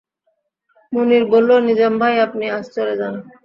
মুনির বলল, নিজাম ভাই, আপনি আজ চলে যান।